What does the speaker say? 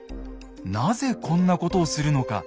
なぜこんなことをするのか。